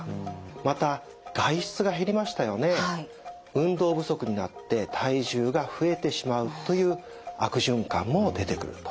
運動不足になって体重が増えてしまうという悪循環も出てくると。